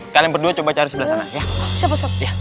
kalia berdua coba cari sebelah sana ya